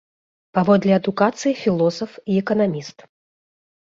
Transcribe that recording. Паводле адукацыі філосаф і эканаміст.